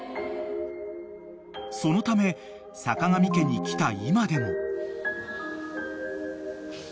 ［そのため坂上家に来た今でも］